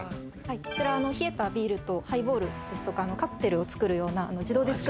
こちら冷えたビールとハイボールとかカクテルを作るような自動で作るドリンクのロボット